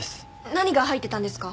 何が入ってたんですか？